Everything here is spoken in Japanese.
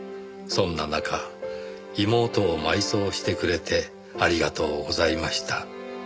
「そんな中妹をまいそうしてくれてありがとうございました」